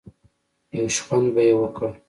يو شخوند به يې وکړ.